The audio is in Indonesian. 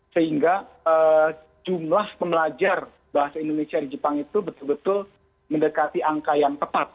sehingga jumlah pembelajar bahasa indonesia di jepang itu betul betul mendekati angka yang tepat